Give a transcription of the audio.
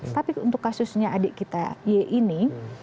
tapi untuk kasusnya adik kita ye ini